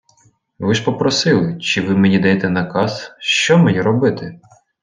Ви ж попросили чи Ви мені даєте наказ, що мені робити?